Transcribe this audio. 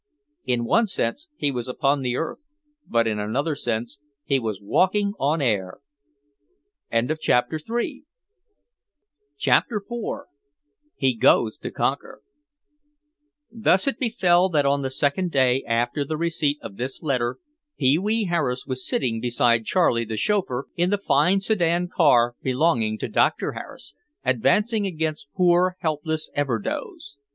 In one sense he was upon earth but in another sense he was walking on air.... CHAPTER IV HE GOES TO CONQUER Thus it befell that on the second day after the receipt of this letter Pee wee Harris was sitting beside Charlie, the chauffeur, in the fine sedan car belonging to Doctor Harris, advancing against poor, helpless Everdoze.